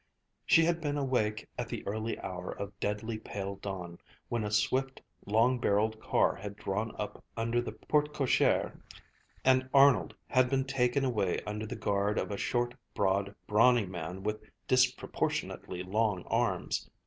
She had been awake at the early hour of deadly pale dawn when a swift, long barreled car had drawn up under the porte cochère and Arnold had been taken away under the guard of a short, broad, brawny man with disproportionately long arms.